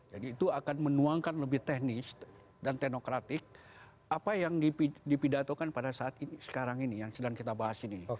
jadi itu akan menuangkan lebih teknis dan teknokratik apa yang dipidatokan pada saat ini sekarang ini yang sedang kita bahas ini